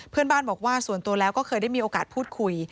เพื่อนบ้านบอกว่าส่วนตัวแล้วก็เคยได้มีโอกาสพูดคุย